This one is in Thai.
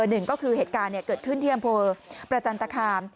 ก็คือดือเหตุการณ์เนี่ยเกิดขึ้นที่อำเภอประจันทคา